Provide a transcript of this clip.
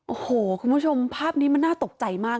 โอ้โหคุณผู้ชมภาพนี้มันน่าตกใจมาก